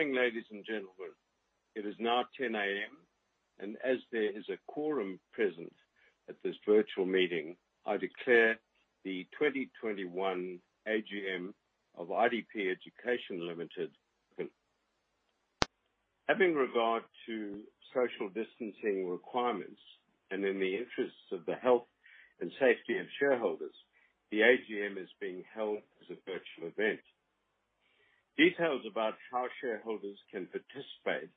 Good morning, ladies and gentlemen. It is now 10:00 A.M., and as there is a quorum present at this virtual meeting, I declare the 2021 AGM of IDP Education Limited open. Having regard to social distancing requirements and in the interests of the health and safety of shareholders, the AGM is being held as a virtual event. Details about how shareholders can participate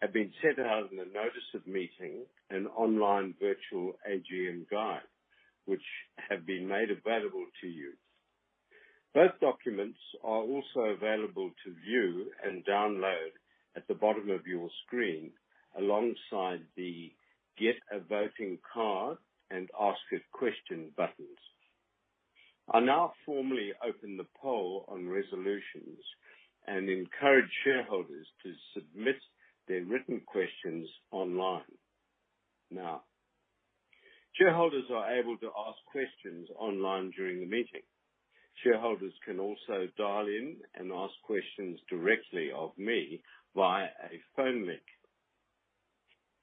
have been set out in the notice of meeting an online virtual AGM guide, which have been made available to you. Both documents are also available to view and download at the bottom of your screen alongside the Get a Voting Card and Ask a Question buttons. I now formally open the poll on resolutions and encourage shareholders to submit their written questions online now. Shareholders are able to ask questions online during the meeting. Shareholders can also dial in and ask questions directly of me via a phone link.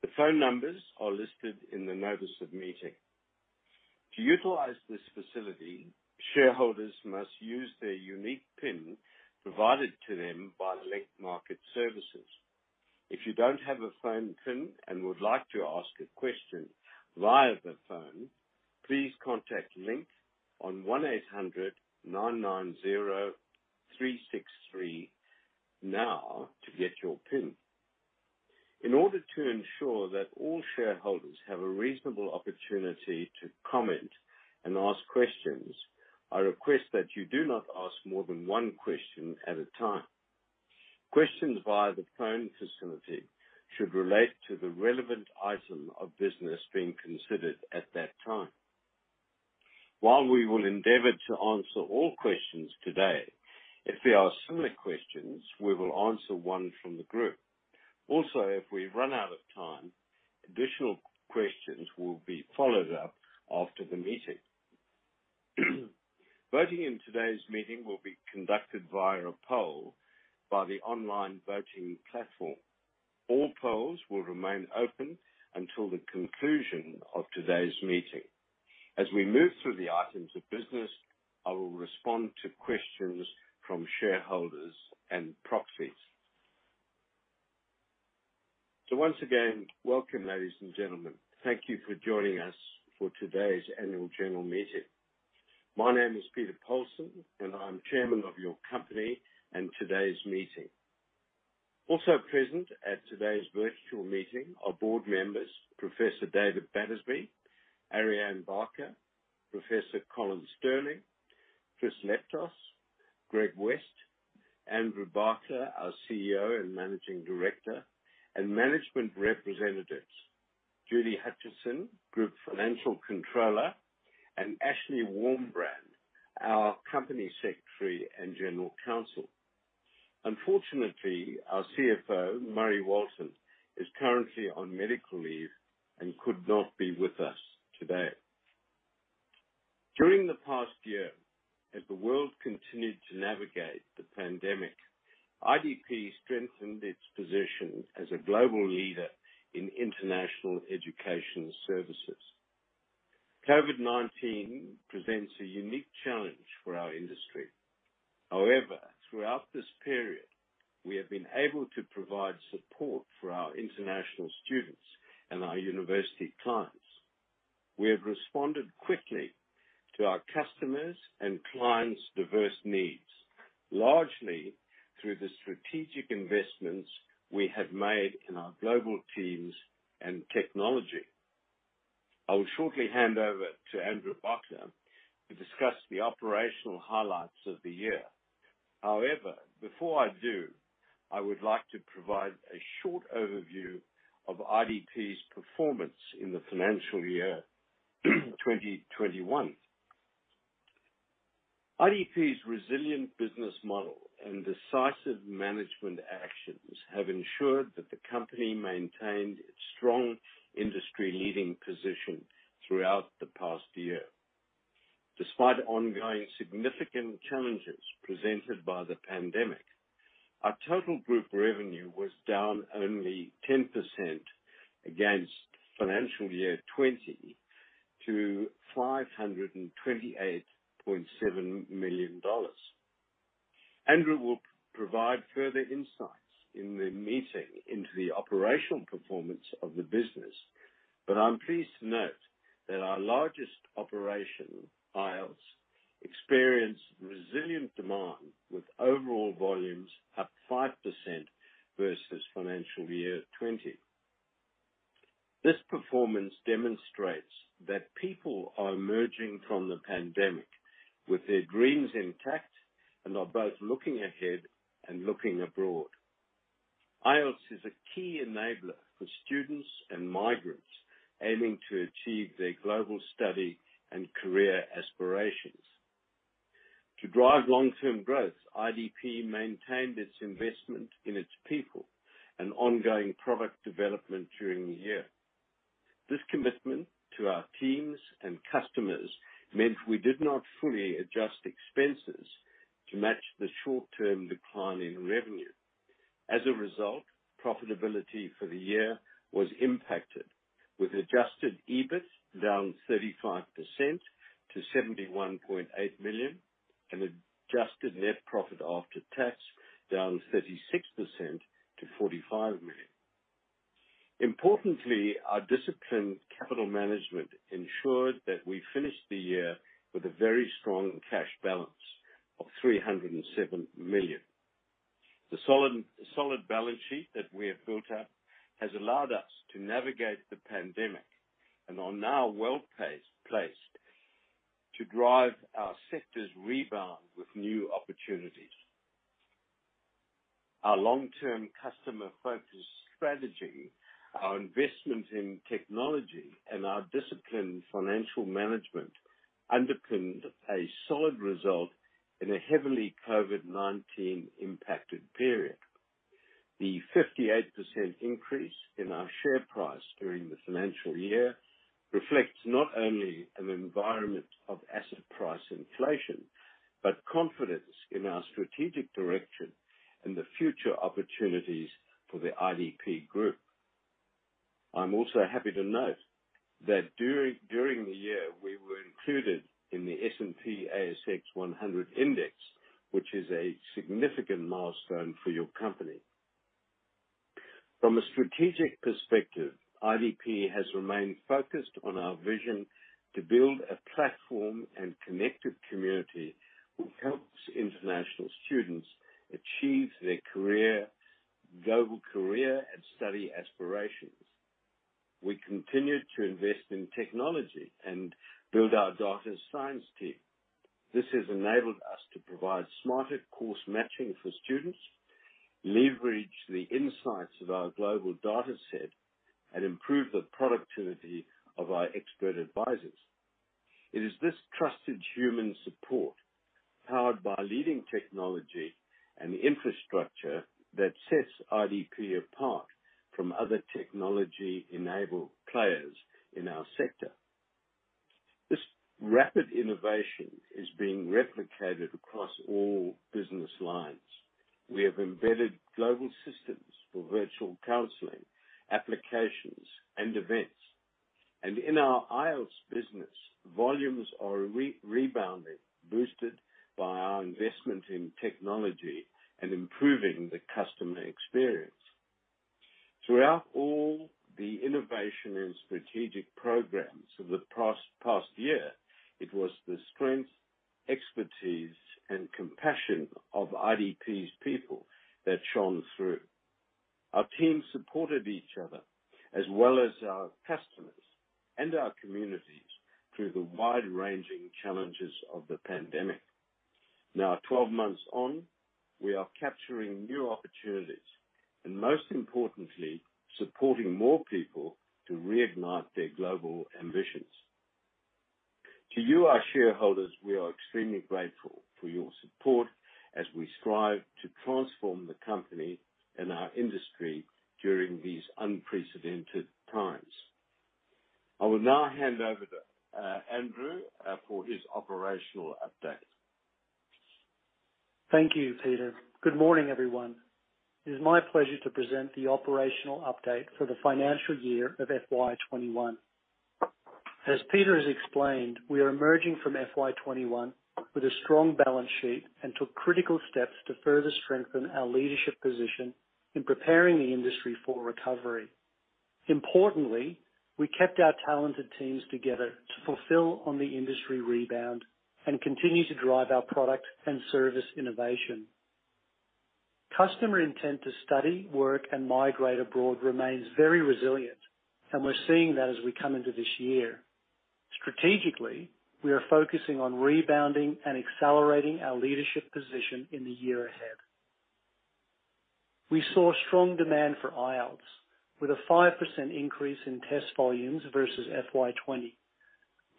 The phone numbers are listed in the notice of meeting. To utilize this facility, shareholders must use their unique PIN provided to them by Link Market Services. If you don't have a phone PIN and would like to ask a question via the phone, please contact Link on 1800-990-363 now to get your PIN. In order to ensure that all shareholders have a reasonable opportunity to comment and ask questions, I request that you do not ask more than one question at a time. Questions via the phone facility should relate to the relevant item of business being considered at that time. While we will endeavor to answer all questions today, if there are similar questions, we will answer one from the group. If we run out of time, additional questions will be followed up after the meeting. Voting in today's meeting will be conducted via a poll by the online voting platform. All polls will remain open until the conclusion of today's meeting. As we move through the items of business, I will respond to questions from shareholders and proxies. Once again, welcome, ladies and gentlemen. Thank you for joining us for today's annual general meeting. My name is Peter Polson, and I'm Chairman of your company and today's meeting. Also present at today's virtual meeting are Board members Professor David Battersby, Ariane Barker, Professor Colin Stirling, Chris Leptos, Greg West, Andrew Barkla, our CEO and Managing Director, and management representatives, Julie Hutchinson, Group Financial Controller, and Ashley Warmbrand, our Company Secretary and General Counsel. Unfortunately, our CFO, Murray Walton, is currently on medical leave and could not be with us today. During the past year, as the world continued to navigate the pandemic, IDP strengthened its position as a global leader in international education services. COVID-19 presents a unique challenge for our industry. However, throughout this period, we have been able to provide support for our international students and our university clients. We have responded quickly to our customers' and clients' diverse needs, largely through the strategic investments we have made in our global teams and technology. I will shortly hand over to Andrew Barkla to discuss the operational highlights of the year. However, before I do, I would like to provide a short overview of IDP's performance in the financial year 2021. IDP's resilient business model and decisive management actions have ensured that the company maintained its strong industry leading position throughout the past year. Despite ongoing significant challenges presented by the pandemic, our total group revenue was down only 10% against financial year 2020 to AUD 528.7 million. Andrew will provide further insights in the meeting into the operational performance of the business, I'm pleased to note that our largest operation, IELTS, experienced resilient demand, with overall volumes up 5% versus financial year 2020. This performance demonstrates that people are emerging from the pandemic with their dreams intact and are both looking ahead and looking abroad. IELTS is a key enabler for students and migrants aiming to achieve their global study and career aspirations. To drive long-term growth, IDP maintained its investment in its people and ongoing product development during the year. This commitment to our teams and customers meant we did not fully adjust expenses to match the short-term decline in revenue. Profitability for the year was impacted, with adjusted EBIT down 35% to 71.8 million and adjusted net profit after tax down 36% to 45 million. Our disciplined capital management ensured that we finished the year with a very strong cash balance of 307 million. The solid balance sheet that we have built up has allowed us to navigate the pandemic and are now well-placed to drive our sector's rebound with new opportunities. Our long-term customer-focused strategy, our investment in technology, and our disciplined financial management underpinned a solid result in a heavily COVID-19 impacted period. The 58% increase in our share price during the financial year reflects not only an environment of asset price inflation, but confidence in our strategic direction and the future opportunities for the IDP Group. I'm also happy to note that during the year, we were included in the S&P/ASX 100 index, which is a significant milestone for your company. From a strategic perspective, IDP has remained focused on our vision to build a platform and connected community who helps international students achieve their global career and study aspirations. We continued to invest in technology and build our data science team. This has enabled us to provide smarter course matching for students, leverage the insights of our global dataset, and improve the productivity of our expert advisors. It is this trusted human support, powered by leading technology and infrastructure, that sets IDP apart from other technology-enabled players in our sector. This rapid innovation is being replicated across all business lines. We have embedded global systems for virtual counseling, applications, and events. In our IELTS business, volumes are rebounding, boosted by our investment in technology and improving the customer experience. Throughout all the innovation and strategic programs of the past year, it was the strength, expertise, and compassion of IDP's people that shone through. Our team supported each other, as well as our customers and our communities, through the wide-ranging challenges of the pandemic. Now, 12 months on, we are capturing new opportunities and, most importantly, supporting more people to reignite their global ambitions. To you, our shareholders, we are extremely grateful for your support as we strive to transform the company and our industry during these unprecedented times. I will now hand over to Andrew for his operational update. Thank you, Peter. Good morning, everyone. It is my pleasure to present the operational update for the financial year of FY2021. As Peter has explained, we are emerging from FY2021 with a strong balance sheet and took critical steps to further strengthen our leadership position in preparing the industry for recovery. Importantly, we kept our talented teams together to fulfill on the industry rebound and continue to drive our product and service innovation. Customer intent to study, work, and migrate abroad remains very resilient, and we're seeing that as we come into this year. Strategically, we are focusing on rebounding and accelerating our leadership position in the year ahead. We saw strong demand for IELTS, with a 5% increase in test volumes versus FY2020.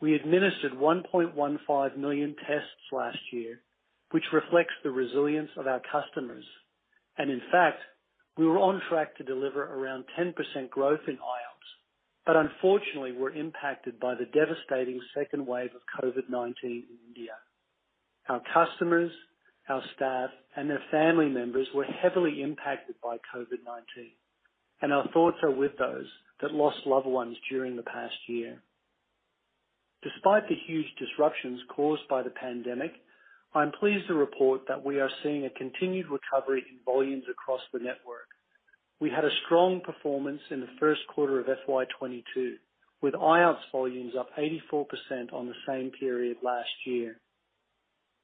We administered 1.15 million tests last year, which reflects the resilience of our customers. In fact, we were on track to deliver around 10% growth in IELTS, but unfortunately, were impacted by the devastating second wave of COVID-19 in India. Our customers, our staff, and their family members were heavily impacted by COVID-19, and our thoughts are with those that lost loved ones during the past year. Despite the huge disruptions caused by the pandemic, I'm pleased to report that we are seeing a continued recovery in volumes across the network. We had a strong performance in the first quarter of FY 2022, with IELTS volumes up 84% on the same period last year.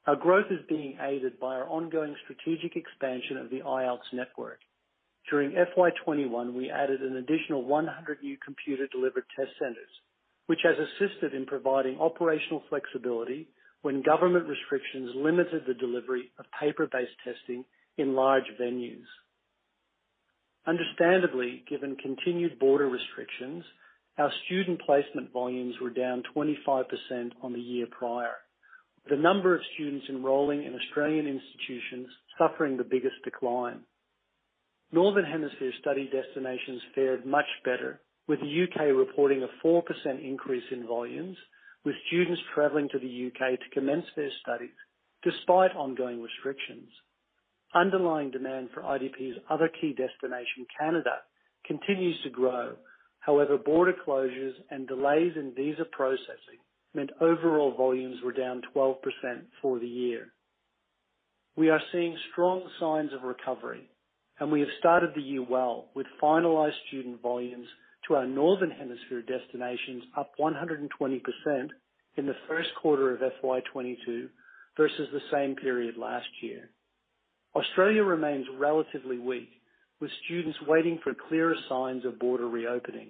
Our growth is being aided by our ongoing strategic expansion of the IELTS network. During FY 2021, we added an additional 100 new computer-delivered test centers, which has assisted in providing operational flexibility when government restrictions limited the delivery of paper-based testing in large venues. Understandably, given continued border restrictions, our student placement volumes were down 25% on the year prior, with the number of students enrolling in Australian institutions suffering the biggest decline. Northern Hemisphere study destinations fared much better, with the U.K. reporting a 4% increase in volumes, with students traveling to the U.K. to commence their studies, despite ongoing restrictions. Underlying demand for IDP's other key destination, Canada, continues to grow. Border closures and delays in visa processing meant overall volumes were down 12% for the year. We are seeing strong signs of recovery, and we have started the year well with finalized student volumes to our Northern Hemisphere destinations up 120% in the first quarter of FY2022 versus the same period last year. Australia remains relatively weak, with students waiting for clearer signs of border reopening.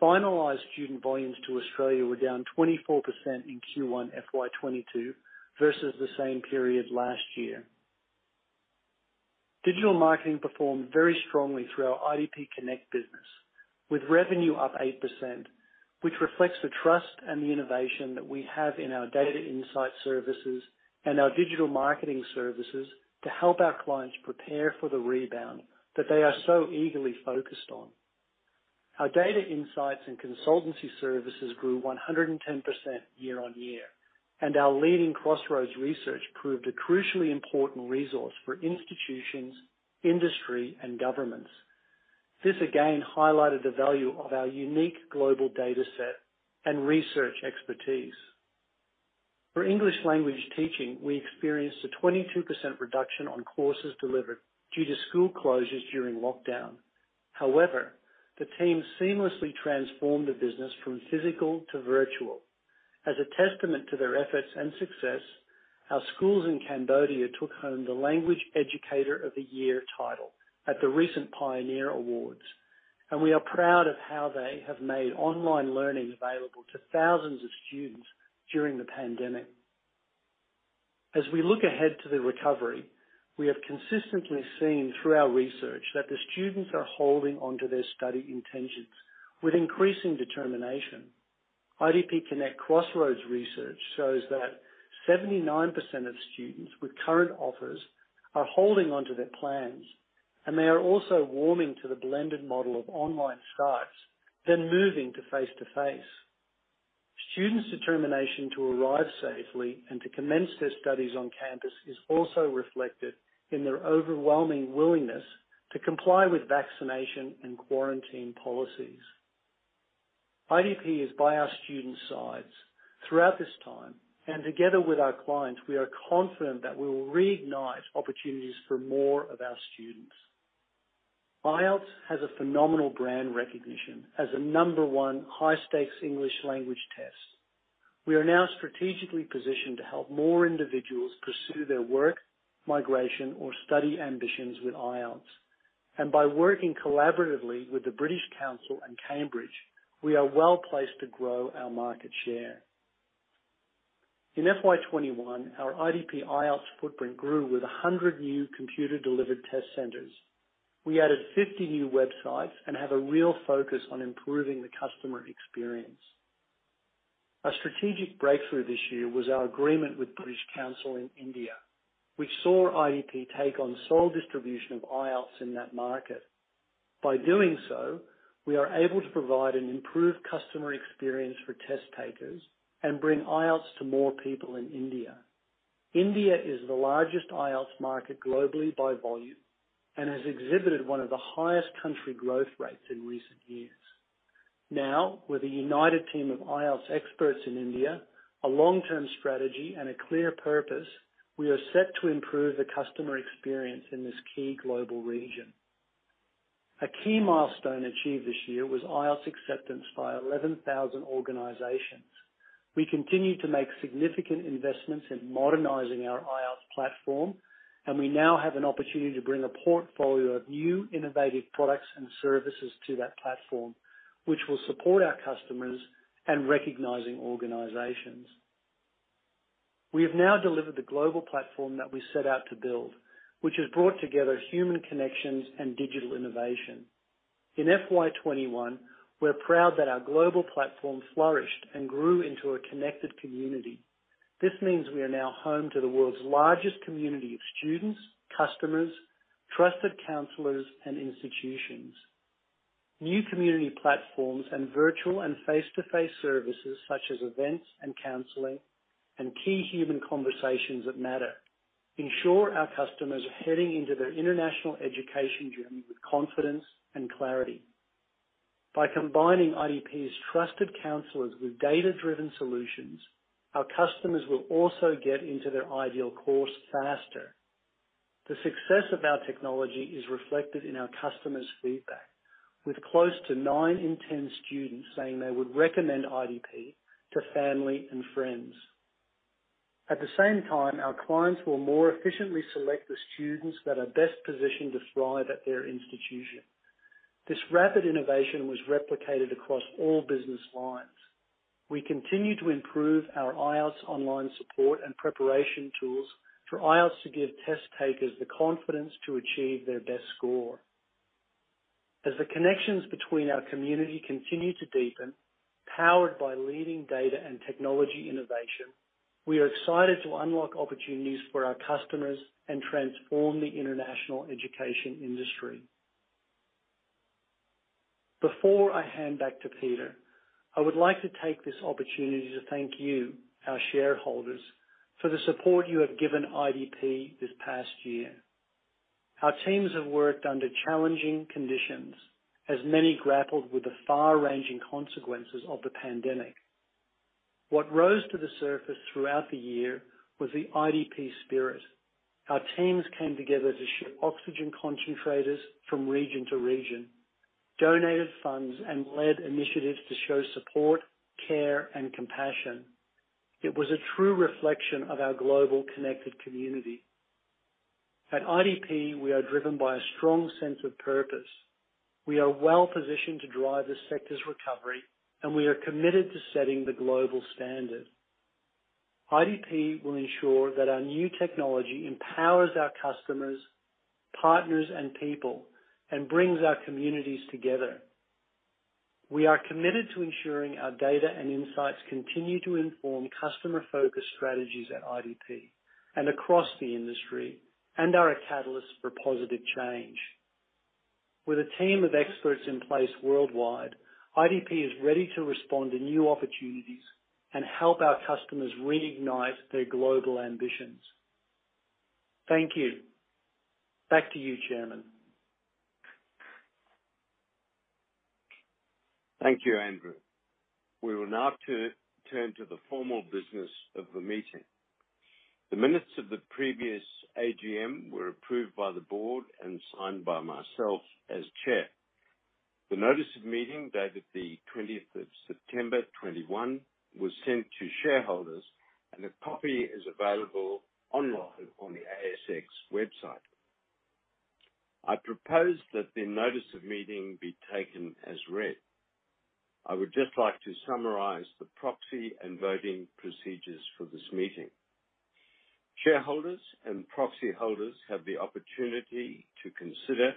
Finalized student volumes to Australia were down 24% in Q1 FY2022 versus the same period last year. Digital marketing performed very strongly through our IDP Connect business, with revenue up 8%, which reflects the trust and the innovation that we have in our data insight services and our digital marketing services to help our clients prepare for the rebound that they are so eagerly focused on. Our data insights and consultancy services grew 110% year-over-year. Our leading Crossroads research proved a crucially important resource for institutions, industry, and governments. This, again, highlighted the value of our unique global data set and research expertise. For English language teaching, we experienced a 22% reduction on courses delivered due to school closures during lockdown. However, the team seamlessly transformed the business from physical to virtual. As a testament to their efforts and success, our schools in Cambodia took home the Language Educator of the Year title at the recent PIEoneer Awards. We are proud of how they have made online learning available to thousands of students during the pandemic. As we look ahead to the recovery, we have consistently seen through our research that the students are holding onto their study intentions with increasing determination. IDP Connect Crossroads research shows that 79% of students with current offers are holding onto their plans. They are also warming to the blended model of online starts, then moving to face-to-face. Students' determination to arrive safely and to commence their studies on campus is also reflected in their overwhelming willingness to comply with vaccination and quarantine policies. IDP is by our students' sides throughout this time. Together with our clients, we are confident that we will reignite opportunities for more of our students. IELTS has a phenomenal brand recognition as a number one high-stakes English language test. We are now strategically positioned to help more individuals pursue their work, migration, or study ambitions with IELTS. By working collaboratively with the British Council and Cambridge, we are well-placed to grow our market share. In FY 2021, our IDP IELTS footprint grew with 100 new computer-delivered test centers. We added 50 new websites and have a real focus on improving the customer experience. A strategic breakthrough this year was our agreement with British Council in India, which saw IDP take on sole distribution of IELTS in that market. By doing so, we are able to provide an improved customer experience for test-takers and bring IELTS to more people in India. India is the largest IELTS market globally by volume and has exhibited one of the highest country growth rates in recent years. Now, with a united team of IELTS experts in India, a long-term strategy, and a clear purpose, we are set to improve the customer experience in this key global region. A key milestone achieved this year was IELTS acceptance by 11,000 organizations. We continue to make significant investments in modernizing our IELTS platform, and we now have an opportunity to bring a portfolio of new, innovative products and services to that platform, which will support our customers and recognizing organizations. We have now delivered the global platform that we set out to build, which has brought together human connections and digital innovation. In FY2021, we're proud that our global platform flourished and grew into a connected community. This means we are now home to the world's largest community of students, customers, trusted counselors, and institutions. New community platforms and virtual and face-to-face services, such as events and counseling and key human conversations that matter, ensure our customers are heading into their international education journey with confidence and clarity. By combining IDP's trusted counselors with data-driven solutions, our customers will also get into their ideal course faster. The success of our technology is reflected in our customers' feedback, with close to nine in 10 students saying they would recommend IDP to family and friends. At the same time, our clients will more efficiently select the students that are best positioned to thrive at their institution. This rapid innovation was replicated across all business lines. We continue to improve our IELTS online support and preparation tools for IELTS to give test-takers the confidence to achieve their best score. As the connections between our community continue to deepen, powered by leading data and technology innovation, we are excited to unlock opportunities for our customers and transform the international education industry. Before I hand back to Peter, I would like to take this opportunity to thank you, our shareholders, for the support you have given IDP this past year. Our teams have worked under challenging conditions as many grappled with the far-ranging consequences of the pandemic. What rose to the surface throughout the year was the IDP spirit. Our teams came together to ship oxygen concentrators from region to region, donated funds, and led initiatives to show support, care, and compassion. It was a true reflection of our global connected community. At IDP, we are driven by a strong sense of purpose. We are well-positioned to drive the sector's recovery, and we are committed to setting the global standard. IDP will ensure that our new technology empowers our customers, partners, and people and brings our communities together. We are committed to ensuring our data and insights continue to inform customer-focused strategies at IDP and across the industry and are a catalyst for positive change. With a team of experts in place worldwide, IDP is ready to respond to new opportunities and help our customers reignite their global ambitions. Thank you. Back to you, Chairman. Thank you, Andrew. We will now turn to the formal business of the meeting. The minutes of the previous AGM were approved by the board and signed by myself as Chair. The notice of meeting, dated the September 20th 2021, was sent to shareholders, and a copy is available online on the ASX website. I propose that the notice of meeting be taken as read. I would just like to summarize the proxy and voting procedures for this meeting. Shareholders and proxy holders have the opportunity to consider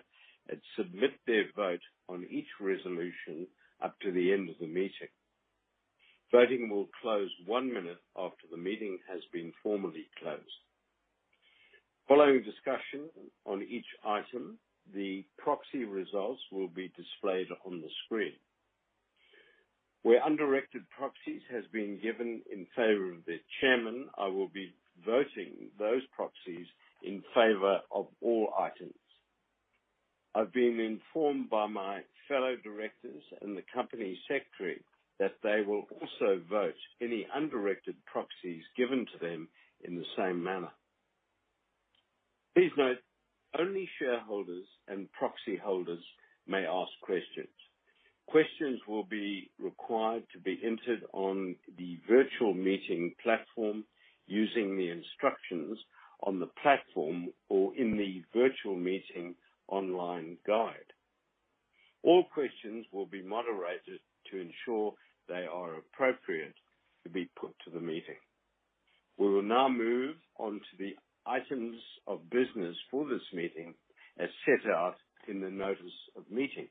and submit their vote on each resolution up to the end of the meeting. Voting will close one minute after the meeting has been formally closed. Following discussion on each item, the proxy results will be displayed on the screen. Where undirected proxies has been given in favor of the Chairman, I will be voting those proxies in favor of all items. I've been informed by my fellow Directors and the Company Secretary that they will also vote any undirected proxies given to them in the same manner. Please note, only shareholders and proxy holders may ask questions. Questions will be required to be entered on the virtual meeting platform using the instructions on the platform or in the virtual meeting online guide. All questions will be moderated to ensure they are appropriate to be put to the meeting. We will now move on to the items of business for this meeting as set out in the notice of meeting.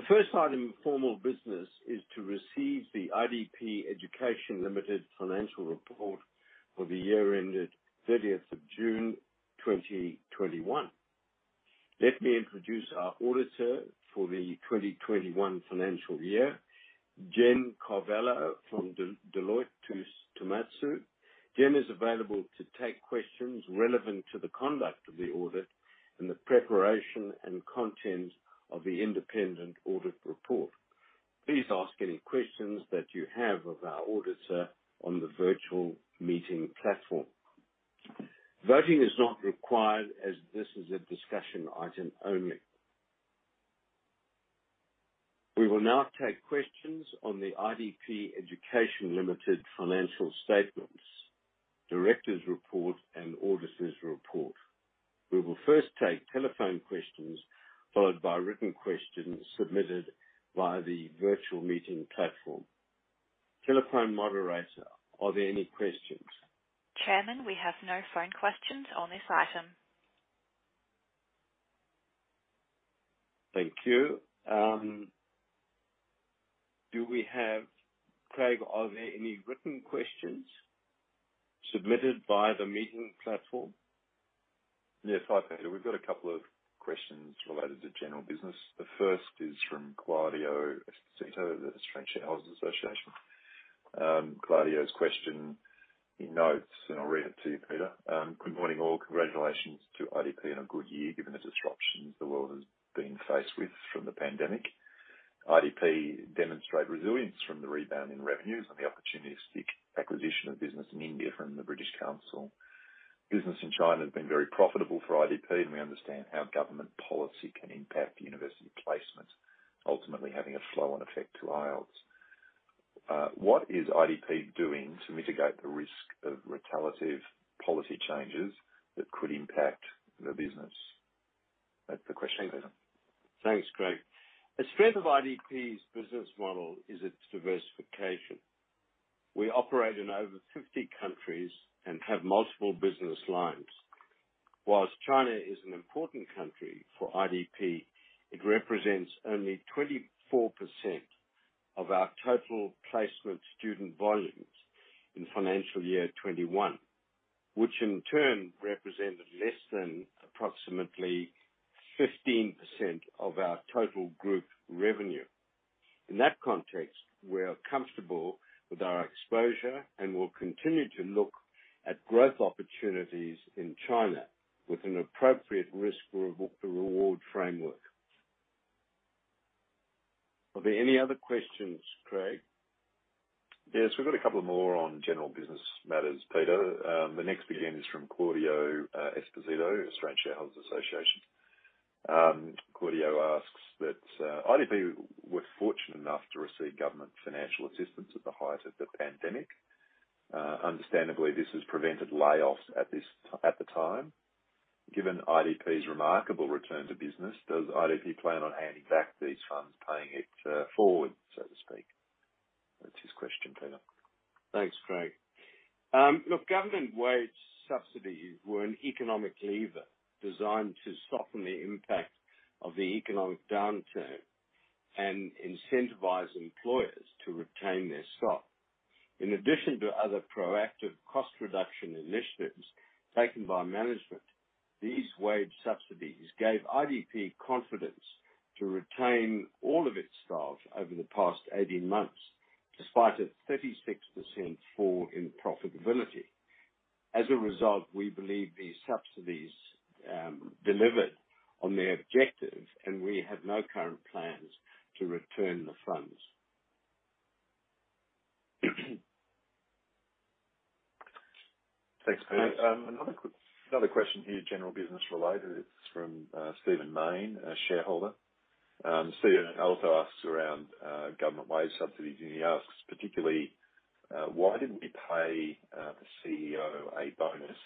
The first item of formal business is to receive the IDP Education Limited financial report for the year ended June 30th 2021. Let me introduce our auditor for the 2021 financial year, Genevra Cavallo from Deloitte Touche Tohmatsu. Gen is available to take questions relevant to the conduct of the audit and the preparation and content of the independent audit report. Please ask any questions that you have of our auditor on the virtual meeting platform. Voting is not required as this is a discussion item only. We will now take questions on the IDP Education Limited financial statements, directors' report, and auditors' report. We will first take telephone questions, followed by written questions submitted via the virtual meeting platform. Telephone moderator, are there any questions? Chairman, we have no phone questions on this item. Thank you. Craig, are there any written questions submitted via the meeting platform? Yes. Hi, Peter. We've got a couple of questions related to general business. The first is from Claudio Esposito of the Australian Shareholders' Association. Claudio's question, he notes, and I'll read it to you, Peter. "Good morning, all. Congratulations to IDP on a good year given the disruptions the world has been faced with from the pandemic. IDP demonstrate resilience from the rebound in revenues and the opportunistic acquisition of business in India from the British Council. Business in China has been very profitable for IDP, and we understand how government policy can impact university placements, ultimately having a flow on effect to IELTS. What is IDP doing to mitigate the risk of retaliative policy changes that could impact the business?" That's the question, Peter. Thanks, Craig. The strength of IDP's business model is its diversification. We operate in over 50 countries and have multiple business lines. While China is an important country for IDP, it represents only 24% of our total placement student volumes in financial year 2021. Which in turn represented less than approximately 15% of our total group revenue. In that context, we are comfortable with our exposure and will continue to look at growth opportunities in China with an appropriate risk reward framework. Are there any other questions, Craig? We've got two more on general business matters, Peter. The next beginning is from Claudio Esposito, Australian Shareholders' Association. Claudio asks that IDP was fortunate enough to receive government financial assistance at the height of the pandemic. Understandably, this has prevented layoffs at the time. Given IDP's remarkable return to business, does IDP plan on handing back these funds, paying it forward, so to speak? That's his question, Peter. Thanks, Craig. Government wage subsidies were an economic lever designed to soften the impact of the economic downturn and incentivize employers to retain their staff. In addition to other proactive cost reduction initiatives taken by management, these wage subsidies gave IDP confidence to retain all of its staff over the past 18 months, despite a 36% fall in profitability. As a result, we believe these subsidies delivered on their objectives, and we have no current plans to return the funds. Thanks, Peter. Another question here, general business related. It's from Stephen Mayne, a shareholder. Stephen also asks around government wage subsidies. He asks particularly, "Why didn't we pay the CEO a bonus,"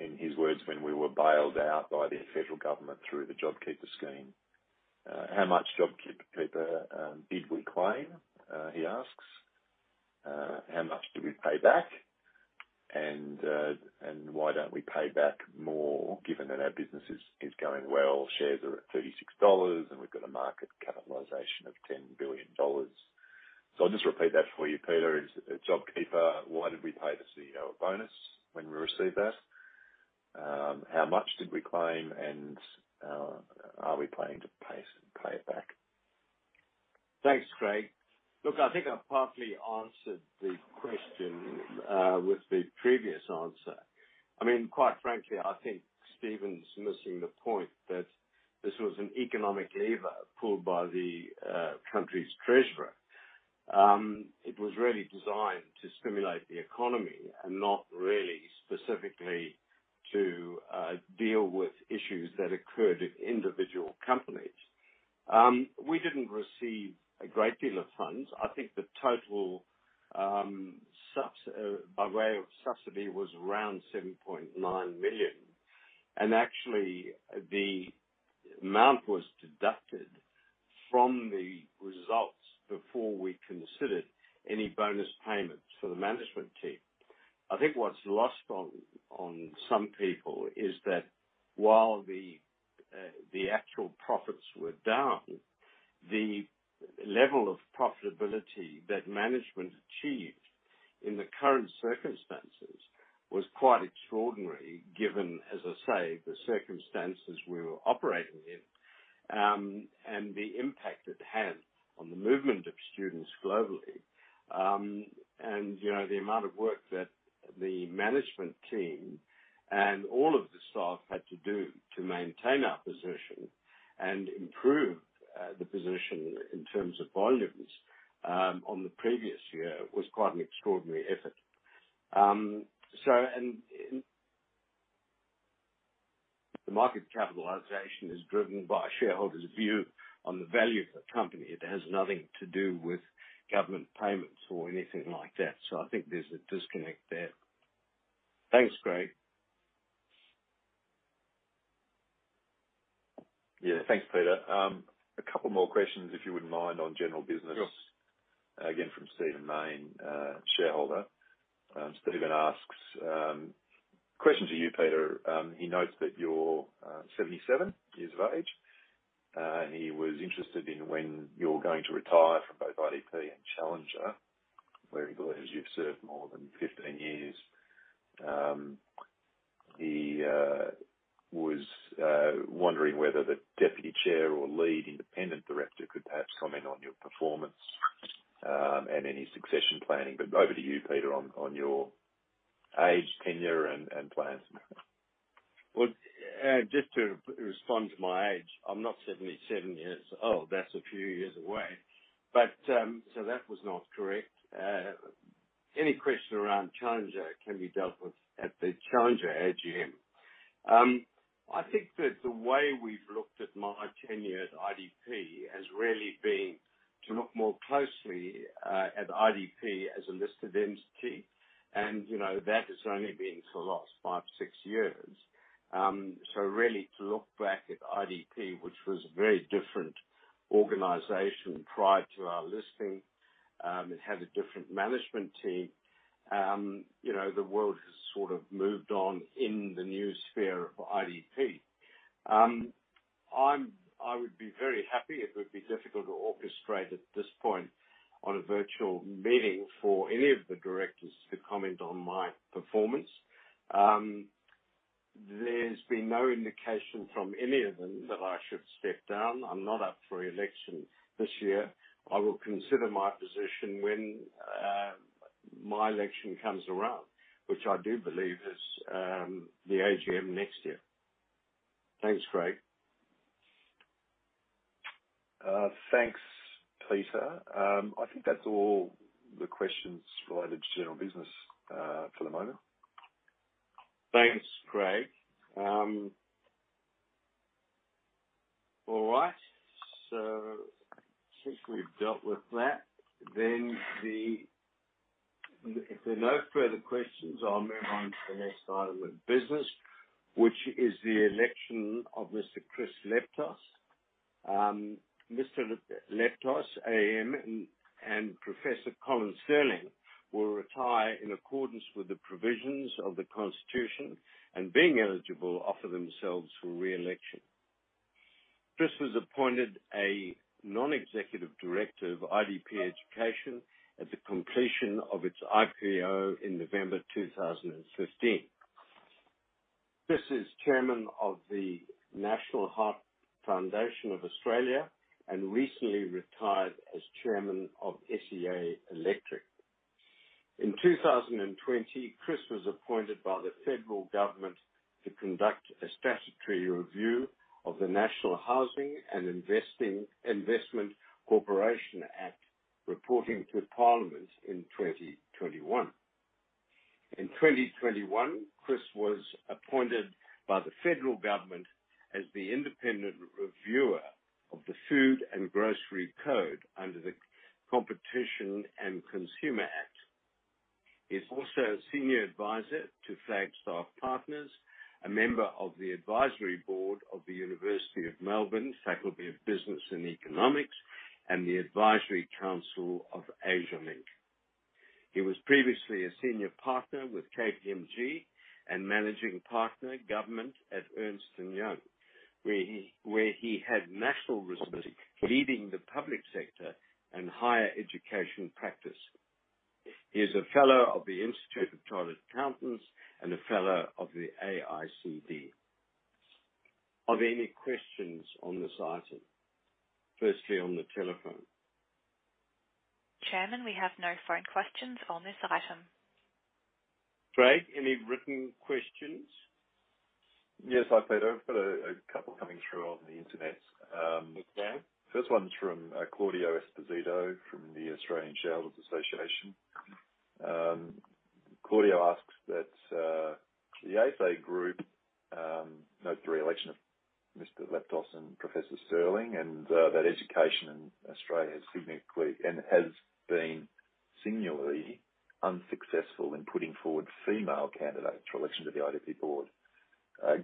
in his words, "when we were bailed out by the federal government through the JobKeeper scheme?" How much JobKeeper did we claim? He asks. How much did we pay back? Why don't we pay back more given that our business is going well, shares are at 36 dollars, and we've got a market capitalization of 10 billion dollars? I'll just repeat that for you, Peter. Why didn't we pay the CEO a bonus when we received that? How much did we claim and are we planning to pay it back? Thanks, Craig. Look, I think I've partly answered the question with the previous answer. Quite frankly, I think Stephen's missing the point that this was an economic lever pulled by the country's treasurer. It was really designed to stimulate the economy and not really specifically to deal with issues that occurred at individual companies. We didn't receive a great deal of funds. I think the total by way of subsidy was around 7.9 million. Actually, the amount was deducted from the results before we considered any bonus payments for the management team. I think what's lost on some people is that while the actual profits were down, the level of profitability that management achieved in the current circumstances was quite extraordinary, given, as I say, the circumstances we were operating in, and the impact it had on the movement of students globally. The amount of work that the management team and all of the staff had to do to maintain our position and improve the position in terms of volumes on the previous year was quite an extraordinary effort. The market capitalization is driven by a shareholder's view on the value of the company. It has nothing to do with government payments or anything like that. I think there's a disconnect there. Thanks, Craig. Yeah. Thanks, Peter. A couple more questions, if you wouldn't mind, on general business. Sure. Again, from Stephen Mayne, a shareholder. Stephen asks, question to you, Peter. He notes that you're 77 years of age. He was interested in when you're going to retire from both IDP and Challenger, where he believes you've served more than 15 years. He was wondering whether the Deputy Chair or Lead Independent Director could perhaps comment on your performance and any succession planning. Over to you, Peter, on your age, tenure, and plans. Well, just to respond to my age. I'm not 77 years old. That's a few years away. That was not correct. Any question around Challenger can be dealt with at the Challenger AGM. I think that the way we've looked at my tenure at IDP has really been to look more closely at IDP as a listed entity. That has only been for the last five, six years. Really to look back at IDP, which was a very different organization prior to our listing. It had a different management team. The world has sort of moved on in the new sphere of IDP. I would be very happy. It would be difficult to orchestrate at this point on a virtual meeting for any of the Directors to comment on my performance. There's been no indication from any of them that I should step down. I'm not up for election this year. I will consider my position when my election comes around, which I do believe is the AGM next year. Thanks, Craig. Thanks, Peter. I think that's all the questions related to general business for the moment. Thanks, Craig. All right. Since we've dealt with that, then if there are no further questions, I'll move on to the next item of business, which is the election of Mr. Chris Leptos. Mr. Leptos AM and Professor Colin Stirling will retire in accordance with the provisions of the Constitution and being eligible offer themselves for re-election. Chris was appointed a Non-Executive Director of IDP Education at the completion of its IPO in November 2015. Chris is Chairman of the National Heart Foundation of Australia and recently retired as Chairman of SEA Electric. In 2020, Chris was appointed by the federal government to conduct a statutory review of the National Housing Finance and Investment Corporation Act, reporting to Parliament in 2021. In 2021, Chris was appointed by the federal government as the Independent Reviewer of the Food and Grocery Code under the Competition and Consumer Act. He is also a Senior Advisor to Flagstaff Partners, a member of the advisory board of the University of Melbourne, Faculty of Business and Economics, and the Advisory Council of Asialink. He was previously a Senior Partner with KPMG and Managing Partner Government at Ernst & Young, where he had national responsibility leading the public sector and higher education practice. He is a Fellow of the Institute of Chartered Accountants in Australia and a Fellow of the AICD. Are there any questions on this item? Firstly, on the telephone. Chairman, we have no phone questions on this item. Craig, any written questions? Yes, hi, Peter. I've got a couple coming through on the internet. Okay. First one's from Claudio Esposito from the Australian Shareholders' Association. Claudio asks that the EA group notes the re-election of Mr. Leptos and Professor Stirling and that Education Australia has been singularly unsuccessful in putting forward female candidates for election to the IDP Board.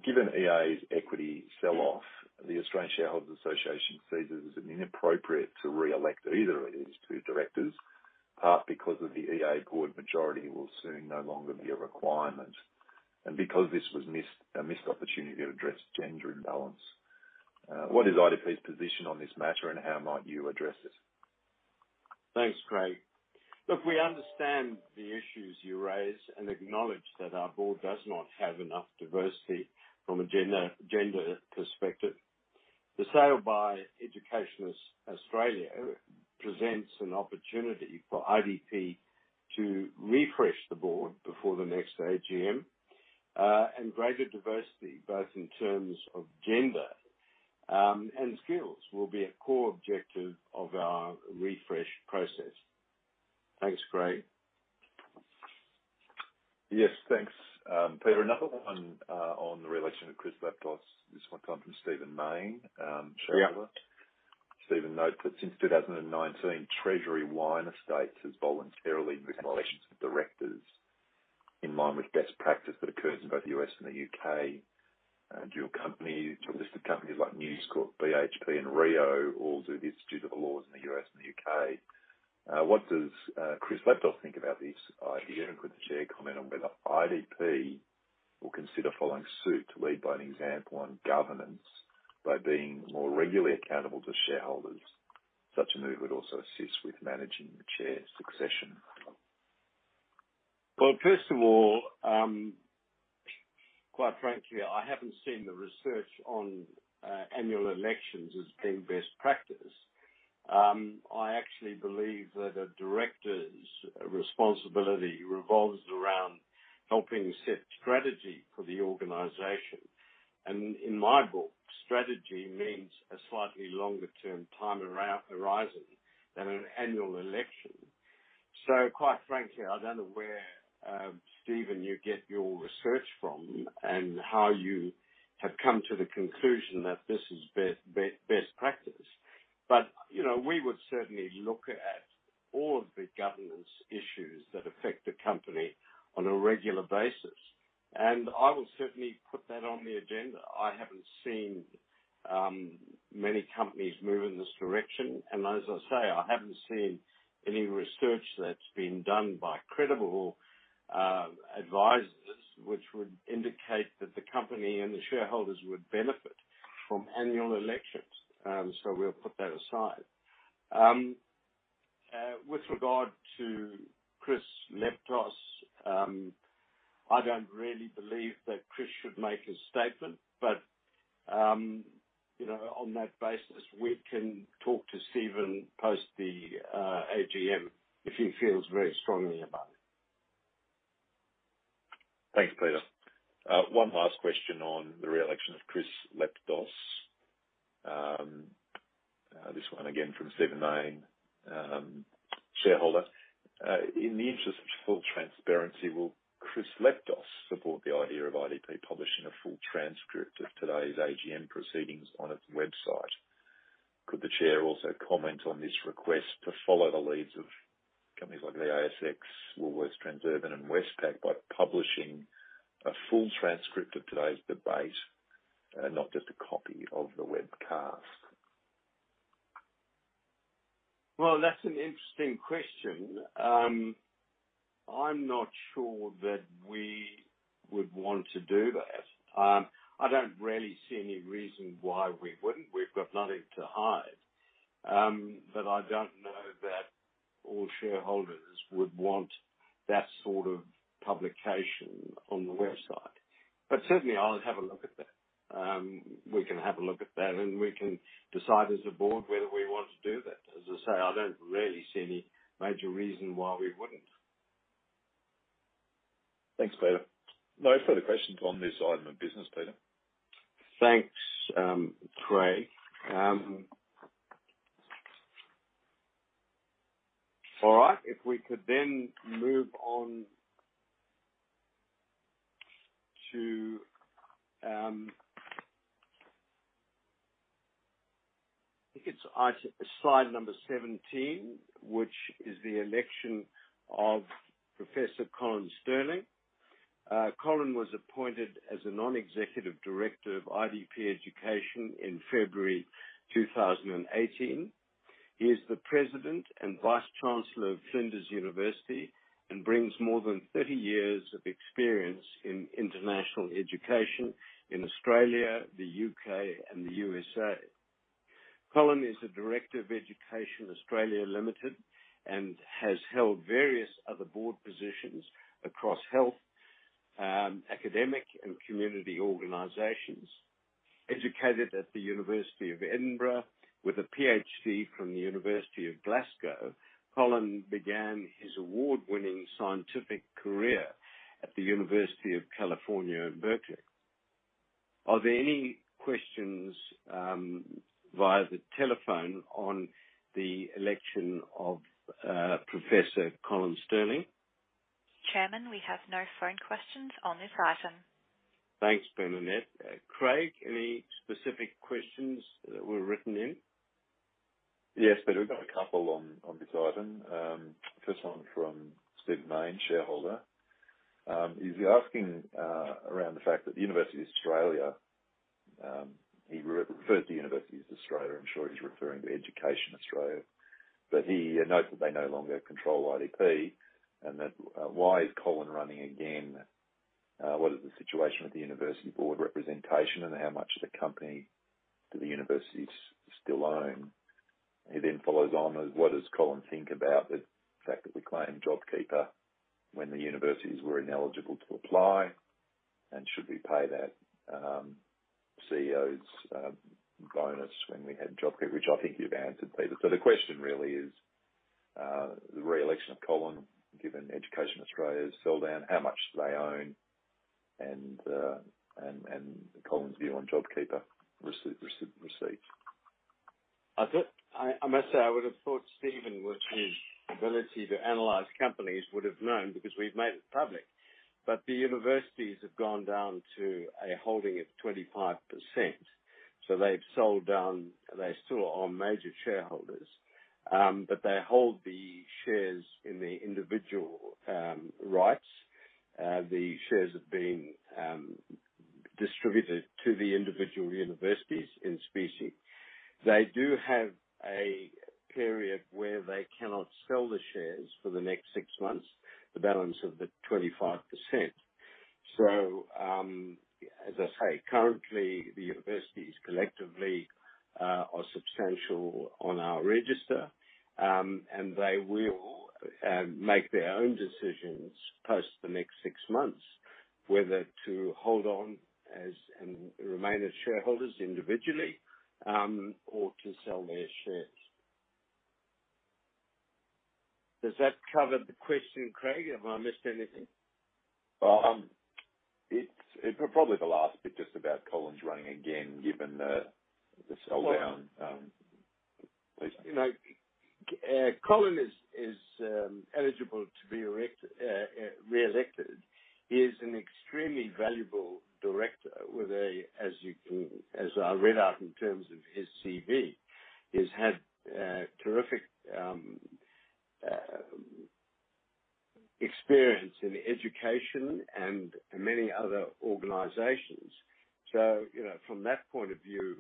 Given EA's equity sell-off, the Australian Shareholders' Association sees it as inappropriate to re-elect either of these two Directors, part because of the EA Board majority will soon no longer be a requirement, and because this was a missed opportunity to address gender imbalance. What is IDP's position on this matter, and how might you address it? Thanks, Craig. Look, we understand the issues you raise and acknowledge that our board does not have enough diversity from a gender perspective. The sale by Education Australia presents an opportunity for IDP to refresh the board before the next AGM. Greater diversity, both in terms of gender and skills, will be a core objective of our refresh process. Thanks, Craig. Yes, thanks. Peter, another one on the re-election of Chris Leptos. This one come from Stephen Mayne, a shareholder. Yeah. Stephen notes that since 2019, Treasury Wine Estates has voluntarily missed elections for Directors in line with best practice that occurs in both the U.S. and the U.K. Dual listed companies like News Corp, BHP and Rio all do this due to the laws in the U.S. and the U.K. What does Chris Leptos think about this idea? Could the Chair comment on whether IDP will consider following suit to lead by an example on governance by being more regularly accountable to shareholders? Such a move would also assist with managing the chair succession. First of all, quite frankly, I haven't seen the research on annual elections as being best practice. I actually believe that a director's responsibility revolves around helping set strategy for the organization. In my book, strategy means a slightly longer-term time horizon than an annual election. Quite frankly, I don't know where, Stephen, you get your research from and how you have come to the conclusion that this is best practice. We would certainly look at all of the governance issues that affect the company on a regular basis. I will certainly put that on the agenda. I haven't seen many companies move in this direction, and as I say, I haven't seen any research that's been done by credible advisors which would indicate that the company and the shareholders would benefit from annual elections. We'll put that aside. With regard to Chris Leptos, I don't really believe that Chris should make a statement, but on that basis, we can talk to Stephen post the AGM if he feels very strongly about it. Thanks, Peter. One last question on the re-election of Chris Leptos. This one again from Stephen Mayne, shareholder. In the interest of full transparency, will Chris Leptos support the idea of IDP publishing a full transcript of today's AGM proceedings on its website? Could the Chair also comment on this request to follow the leads of companies like the ASX, Woolworths, Transurban, and Westpac by publishing a full transcript of today's debate, not just a copy of the webcast? Well, that's an interesting question. I'm not sure that we would want to do that. I don't really see any reason why we wouldn't. We've got nothing to hide. I don't know that all shareholders would want that sort of publication on the website. Certainly I'll have a look at that. We can have a look at that, and we can decide as a board whether we want to do that. As I say, I don't really see any major reason why we wouldn't. Thanks, Peter. No further questions on this item of business, Peter. Thanks, Craig. All right. If we could move on to, I think it's slide number 17, which is the election of Professor Colin Stirling. Colin was appointed as a Non-Executive Director of IDP Education in February 2018. He is the President and Vice-Chancellor of Flinders University and brings more than 30 years of experience in international education in Australia, the U.K., and the U.S.A. Colin is a Director of Education Australia Limited and has held various other board positions across health, academic, and community organizations. Educated at the University of Edinburgh with a PhD from the University of Glasgow, Colin began his award-winning scientific career at the University of California, Berkeley. Are there any questions via the telephone on the election of Professor Colin Stirling? Chairman, we have no phone questions on this item. Thanks, Bernadette. Craig, any specific questions that were written in? Peter, we've got a couple on this item. First one from Stephen Mayne, shareholder. He's asking around the fact that the University of Australia. He refers to University of Australia, I'm sure he's referring to Education Australia. He notes that they no longer control IDP and that why is Colin running again? What is the situation with the university board representation, and how much of the company do the universities still own? He then follows on with, what does Colin think about the fact that we claimed JobKeeper when the universities were ineligible to apply, and should we pay that CEO's bonus when we had JobKeeper? Which I think you've answered, Peter. The question really is, the re-election of Colin, given Education Australia's sold down, how much do they own? Colin's view on JobKeeper receipts. I must say, I would have thought Stephen, with his ability to analyze companies, would have known because we've made it public. The universities have gone down to a holding of 25%. They've sold down. They still are major shareholders, but they hold the shares in their individual rights. The shares have been distributed to the individual universities in specie. They do have a period where they cannot sell the shares for the next six months, the balance of the 25%. As I say, currently, the universities collectively are substantial on our register. They will make their own decisions post the next six months whether to hold on and remain as shareholders individually or to sell their shares. Does that cover the question, Craig? Have I missed anything? It's probably the last bit, just about Colin's running again, given the sell-down. Please. Colin is eligible to be re-elected. He is an extremely valuable director, as I read out in terms of his CV. He's had terrific experience in education and many other organizations. From that point of view,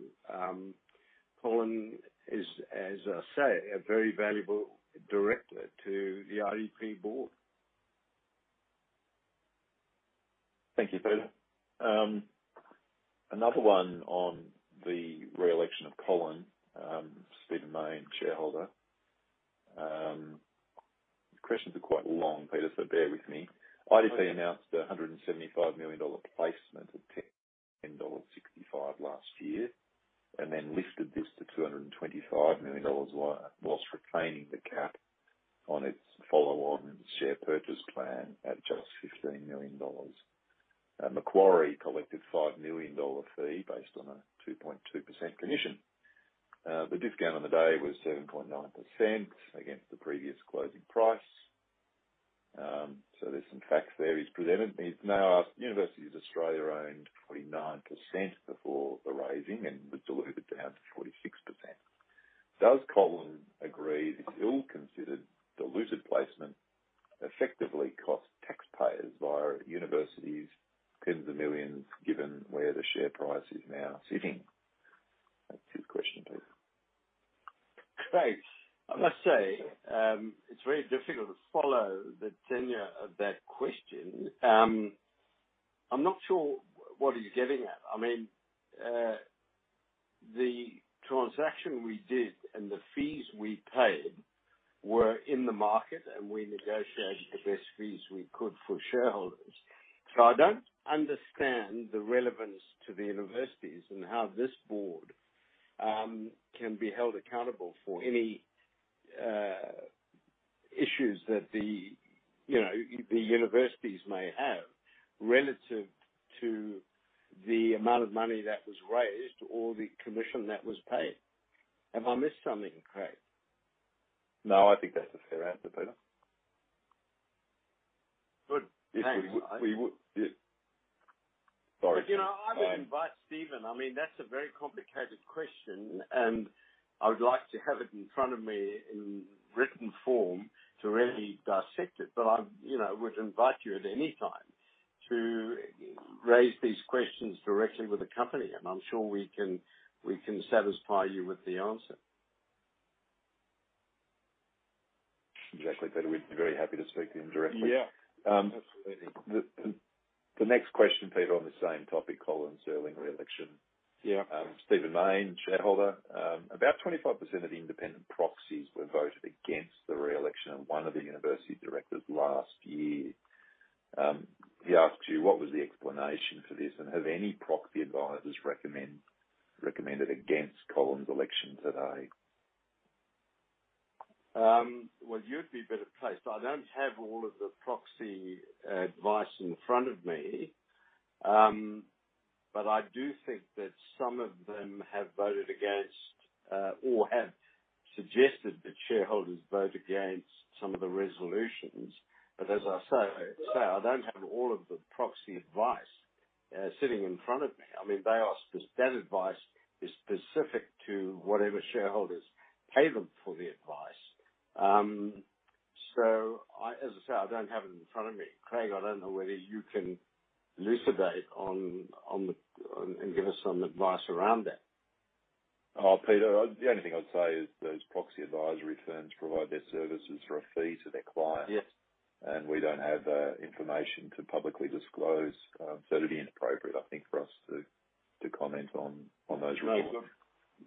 Colin is, as I say, a very valuable director to the IDP Board. Thank you, Peter. Another one on the re-election of Colin. Stephen Mayne, shareholder. Questions are quite long, Peter, so bear with me. IDP announced a 175 million dollar placement at 10.65 last year and then lifted this to 225 million dollars whilst retaining the cap on its follow-on Share Purchase Plan at just 15 million dollars. Macquarie collected a 5 million dollar fee based on a 2.2% commission. The discount on the day was 7.9% against the previous closing price. There's some facts there he's presented. He's now asked, Education Australia owned 49% before the raising and was diluted down to 46%. Does Colin agree this ill-considered dilutive placement effectively cost taxpayers via universities tens of millions given where the share price is now sitting? That's his question, Peter. Craig, I must say, it's very difficult to follow the tenor of that question. I'm not sure what he's getting at. The transaction we did and the fees we paid were in the market, and we negotiated the best fees we could for shareholders. I don't understand the relevance to the universities and how this board can be held accountable for any issues that the universities may have relative to the amount of money that was raised or the commission that was paid. Have I missed something, Craig? No, I think that's a fair answer, Peter. Good. Thanks. Sorry. I would invite Stephen. That's a very complicated question, and I would like to have it in front of me in written form to really dissect it. I would invite you at any time to raise these questions directly with the company, and I'm sure we can satisfy you with the answer. Exactly, Peter. We'd be very happy to speak to him directly. Yeah. Absolutely. The next question, Peter, on the same topic, Colin Stirling re-election. Yeah. Stephen Mayne, shareholder. About 25% of the independent proxies were voted against the re-election of one of the university directors last year. He asks you what was the explanation for this, and have any proxy advisors recommended against Colin's election today? Well, you'd be better placed. I don't have all of the proxy advice in front of me, but I do think that some of them have voted against or have suggested that shareholders vote against some of the resolutions. As I say, I don't have all of the proxy advice sitting in front of me. That advice is specific to whatever shareholders pay them for the advice. As I say, I don't have it in front of me. Craig, I don't know whether you can elucidate and give us some advice around that. Peter, the only thing I'd say is those proxy advisory firms provide their services for a fee to their clients. Yes. We don't have information to publicly disclose. It'd be inappropriate, I think, for us to comment on those reports.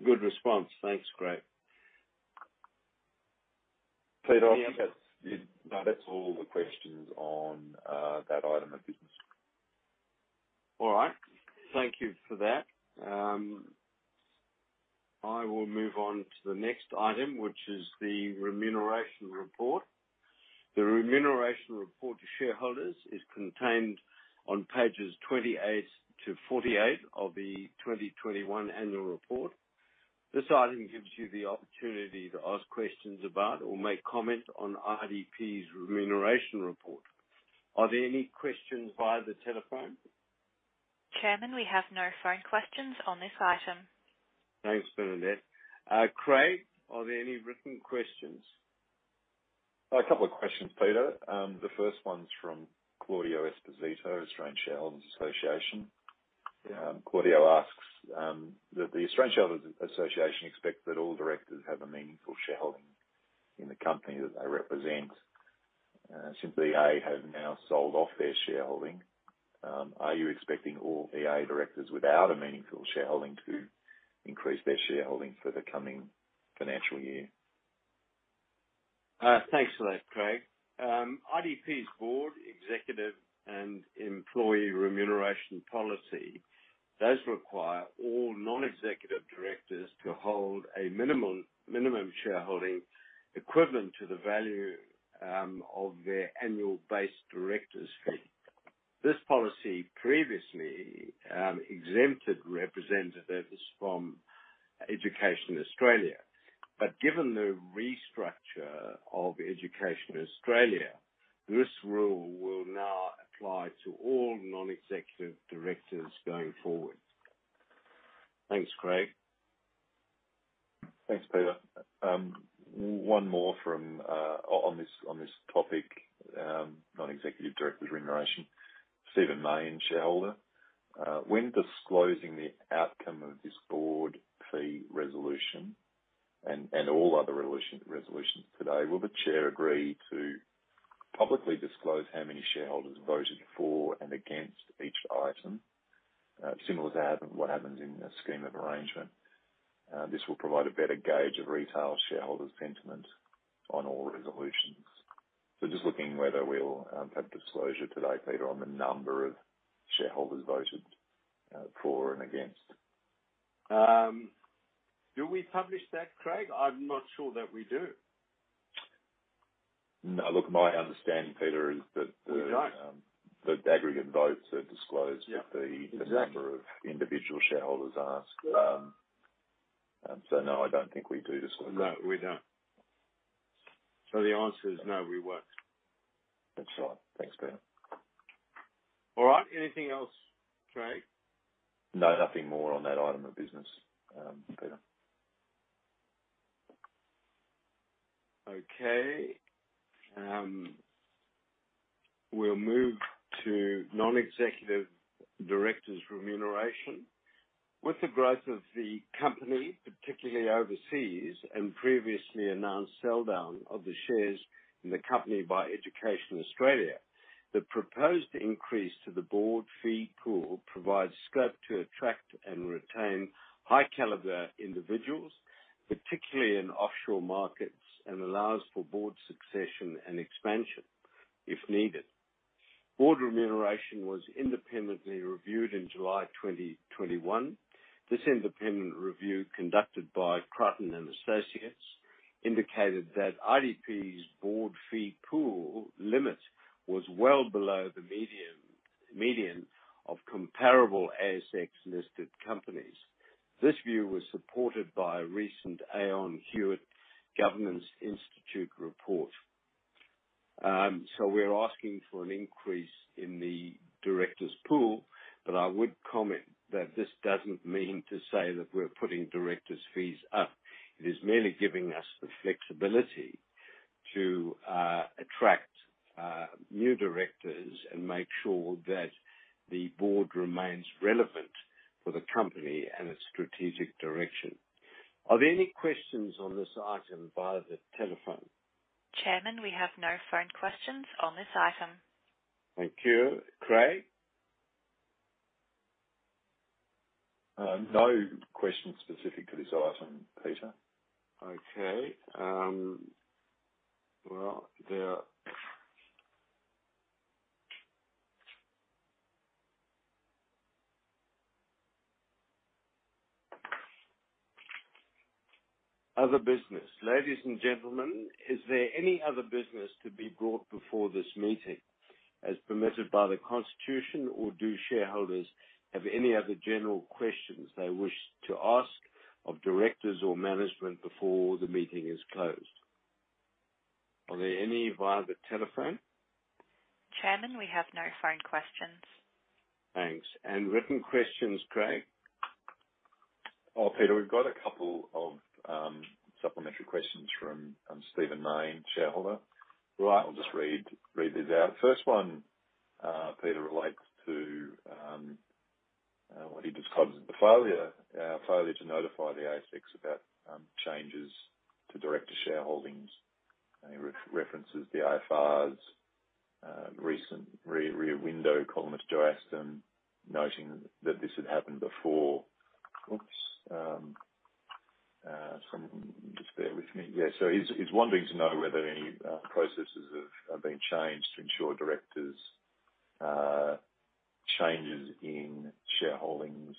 No. Good response. Thanks, Craig. Peter. Yeah. No, that's all the questions on that item of business. All right. Thank you for that. I will move on to the next item, which is the remuneration report. The remuneration report to shareholders is contained on pages 28 to 48 of the 2021 Annual Report. This item gives you the opportunity to ask questions about or make comments on IDP Education's remuneration report. Are there any questions via the telephone? Chairman, we have no phone questions on this item. Thanks, Bernadette. Craig, are there any written questions? A couple of questions, Peter. The first one's from Claudio Esposito, Australian Shareholders' Association. Yeah. Claudio asks that the Australian Shareholders' Association expects that all directors have a meaningful shareholding in the company that they represent. Since EA have now sold off their shareholding, are you expecting all EA Directors without a meaningful shareholding to increase their shareholding for the coming financial year? Thanks for that, Craig. IDP's board executive and employee remuneration policy does require all non-executive directors to hold a minimum shareholding equivalent to the value of their annual base director's fee. This policy previously exempted representative directors from Education Australia. Given the restructure of Education Australia, this rule will now apply to all non-executive directors going forward. Thanks, Craig. Thanks, Peter. One more on this topic, non-executive directors' remuneration. Stephen Mayne, shareholder. When disclosing the outcome of this board fee resolution and all other resolutions today, will the Chair agree to publicly disclose how many shareholders voted for and against each item? Similar to what happens in a scheme of arrangement. This will provide a better gauge of retail shareholders' sentiment on all resolutions. Just looking whether we'll have disclosure today, Peter, on the number of shareholders voted for and against. Do we publish that, Craig? I'm not sure that we do. No. Look, my understanding, Peter, is. We don't. The aggregate votes are disclosed. Yeah, exactly. The number of individual shareholders asked. No, I don't think we do disclose that. No, we don't. The answer is no, we won't. That's right. Thanks, Peter. All right. Anything else, Craig? No, nothing more on that item of business, Peter. We'll move to non-executive directors' remuneration. With the growth of the company, particularly overseas, and previously announced sell-down of the shares in the company by Education Australia, the proposed increase to the Board fee pool provides scope to attract and retain high caliber individuals, particularly in offshore markets, and allows for Board succession and expansion if needed. Board remuneration was independently reviewed in July 2021. This independent review, conducted by Crichton & Associates, indicated that IDP's board fee pool limit was well below the median of comparable ASX-listed companies. This view was supported by a recent Aon Hewitt Governance Institute report. We're asking for an increase in the directors' pool, I would comment that this doesn't mean to say that we're putting directors' fees up. It is merely giving us the flexibility to attract new directors and make sure that the board remains relevant for the company and its strategic direction. Are there any questions on this item via the telephone? Chairman, we have no phone questions on this item. Thank you. Craig? No questions specific to this item, Peter. Well, there other business. Ladies and gentlemen, is there any other business to be brought before this meeting as permitted by the constitution, or do shareholders have any other general questions they wish to ask of directors or management before the meeting is closed? Are there any via the telephone? Chairman, we have no phone questions. Thanks. Written questions, Craig? Oh, Peter, we've got a couple of supplementary questions from Stephen Mayne, shareholder. Right. I'll just read these out. First one, Peter, relates to what he describes as the failure to notify the ASX about changes to director shareholdings. He references the AFR's recent Rear Window columnist, Joe Aston, noting that this had happened before. Oops. Just bear with me. Yeah. He's wondering to know whether any processes have been changed to ensure directors' changes in shareholdings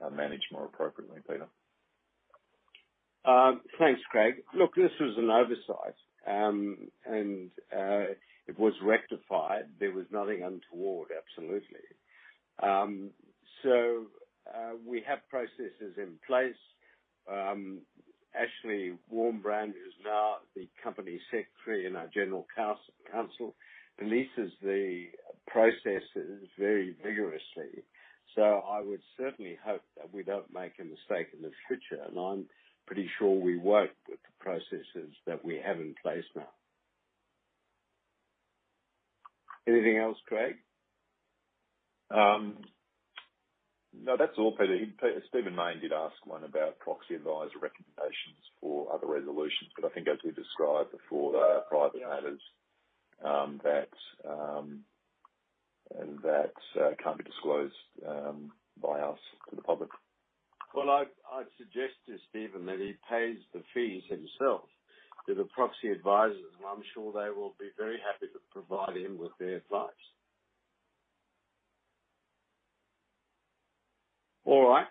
are managed more appropriately, Peter. Thanks, Craig. Look, this was an oversight. It was rectified. There was nothing untoward, absolutely. We have processes in place. Ashley Warmbrand, who's now the Company Secretary and our General Counsel, polices the processes very vigorously. I would certainly hope that we don't make a mistake in the future. I'm pretty sure we won't with the processes that we have in place now. Anything else, Craig? No, that's all, Peter. Stephen Mayne did ask one about proxy advisor recommendations for other resolutions, but I think as we described before, they are private matters that can't be disclosed by us to the public. I'd suggest to Stephen that he pays the fees himself to the proxy advisors, and I'm sure they will be very happy to provide him with their advice. All right.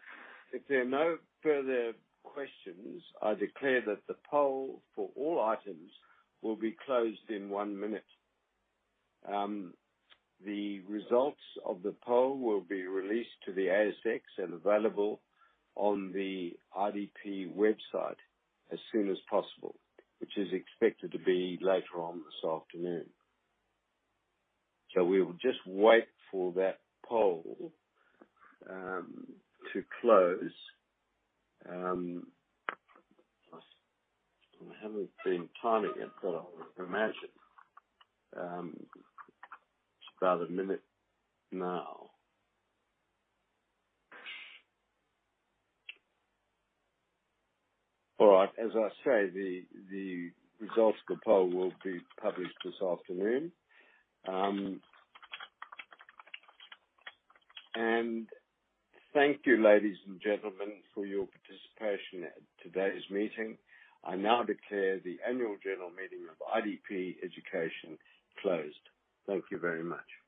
If there are no further questions, I declare that the poll for all items will be closed in one minute. The results of the poll will be released to the ASX and available on the IDP website as soon as possible, which is expected to be later on this afternoon. We will just wait for that poll to close. I haven't been timing it, but I would imagine it's about a minute now. All right. As I say, the results of the poll will be published this afternoon. Thank you, ladies and gentlemen, for your participation at today's meeting. I now declare the annual general meeting of IDP Education closed. Thank you very much.